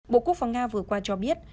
bộ quốc phòng nga vừa qua cho biết